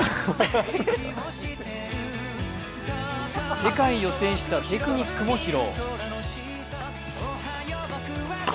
世界を制したテクニックも披露。